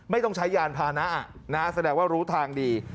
ไม่ต้องใช้ยานพานะแสดงว่ารู้ทางดี